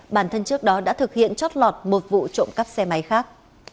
bản thân trước đó đã thực hiện chót lọt một vụ trộm cắp xe máy khác